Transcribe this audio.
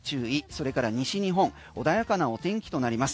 それから西日本穏やかなお天気となります。